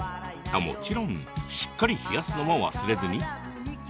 もちろん、しっかり冷やすのも忘れずに。